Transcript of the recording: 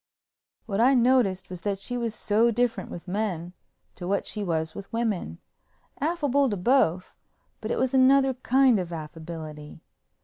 What I noticed was that she was so different with men to what she was with women—affable to both, but it was another kind of affability.